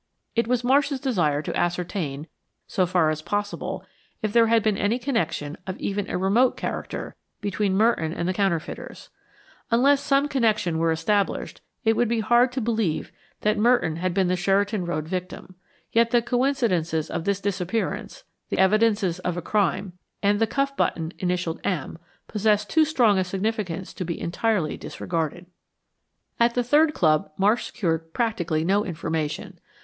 It was Marsh's desire to ascertain, so far as possible, if there had been any connection of even a remote character, between Merton and the counterfeiters. Unless some such connection were established, it would be hard to believe that Merton had been the Sheridan Road victim. Yet the coincidences of this disappearance, the evidences of a crime, and the cuff button initialed "M," possessed too strong a significance to be entirely disregarded. At the third club Marsh secured practically no information.